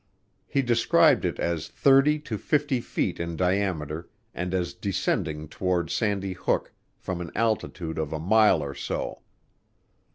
He described it as 30 to 50 feet in diameter and as descending toward Sandy Hook from an altitude of a mile or so.